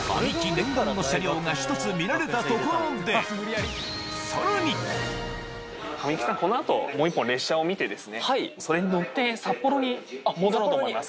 念願の車両が１つ見神木さん、このあと、もう１本、列車を見てですね、それに乗って札幌に戻ろうと思います。